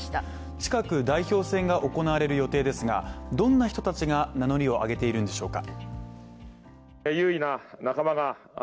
近く代表戦が行われる予定ですがどんな人たちが名乗りを上げているんでしょうか。